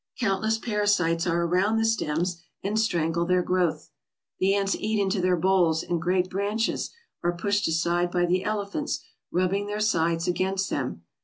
Countless parasites are around the stems and strangle their growth. The ants eat into their boles, and great branches are pushed aside by the elephants rubbing their sides against them.